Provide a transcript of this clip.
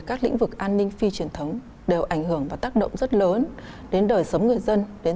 các lĩnh vực an ninh phi truyền thống đều ảnh hưởng và tác động rất lớn đến đời sống người dân đến